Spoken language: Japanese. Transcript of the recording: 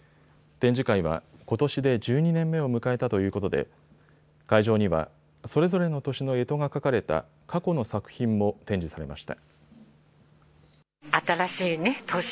展示会は、ことしで１２年目を迎えたということで会場にはそれぞれの年のえとが描かれた過去の作品も展示されました。